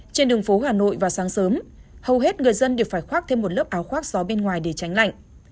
trên đường phố hà nội vào sáng sớm hầu hết người dân đều phải khoác thêm một lớp áo khoác gió bên ngoài để tránh lạnh